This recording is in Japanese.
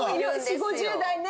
４０５０代ね。